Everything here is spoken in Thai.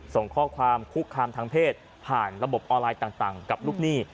ส่งข้อความคุกคามทางเพศผ่านระบบออนไลน์ต่างกับลูกหนี้